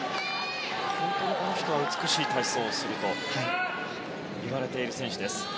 本当にこの人は美しい体操をするといわれている選手です。